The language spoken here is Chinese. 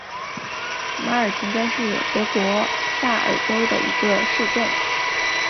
马尔平根是德国萨尔州的一个市镇。